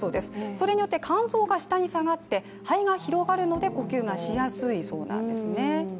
それによって肝臓が下に下がって肺が広がるので呼吸がしやすいそうなんですね。